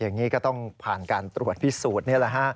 อย่างนี้ก็ต้องผ่านการตรวจพิสูจน์